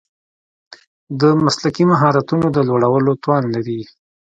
د مسلکي مهارتونو د لوړولو توان لري.